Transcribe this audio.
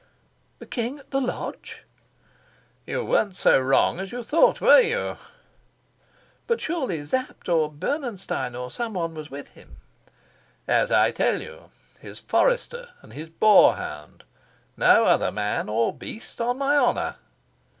"The king at the lodge?" "You weren't so wrong as you thought, were you?" "But surely Sapt, or Bernenstein, or some one was with him?" "As I tell you, his forester and his boar hound. No other man or beast, on my honor."